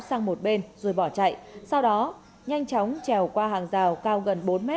sang một bên rồi bỏ chạy sau đó nhanh chóng trèo qua hàng rào cao gần bốn m